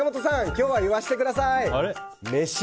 今日は言わせてください！